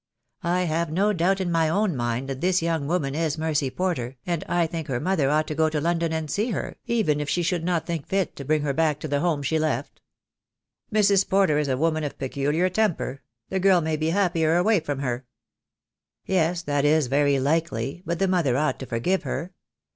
I have no doubt in my own mind that this young woman is Mercy Porter, and I think her mother ought to go London and see her, even if she should not think fit to bring her back to the home she left." 112 THE DAY WILL COME. "Mrs. Porter is a woman of peculiar temper. The girl may be happier away from her." "Yes, that is very likely — but the mother ought to forgive her.